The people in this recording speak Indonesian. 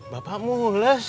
bapak mau mulus